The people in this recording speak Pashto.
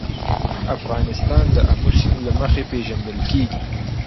افغانستان د آمو سیند له مخې ښه پېژندل کېږي.